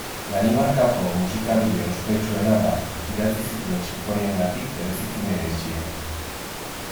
Danimarkako musikagile ospetsuena da, idatzi zituen sinfoniengatik bereziki miretsia.